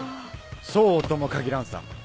そうとも限らんさ。